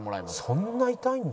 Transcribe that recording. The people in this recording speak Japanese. そんな痛いんだ。